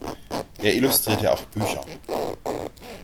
Er illustrierte auch Bücher.